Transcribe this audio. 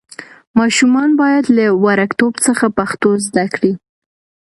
ماشومان باید له وړکتوب څخه پښتو زده کړي.